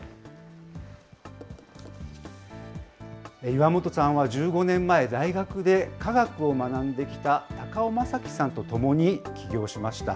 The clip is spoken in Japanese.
岩元さんは１５年前、大学で化学を学んできた高尾正樹さんと共に起業しました。